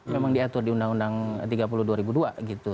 memang diatur di undang undang tiga puluh dua ribu dua gitu